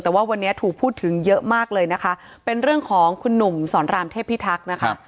แต่ว่าวันนี้ถูกพูดถึงเยอะมากเลยนะคะเป็นเรื่องของคุณหนุ่มสอนรามเทพิทักษ์นะคะ